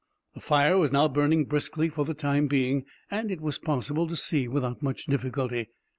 The fire was now burning briskly for the time being, and it was possible to see without much difficulty.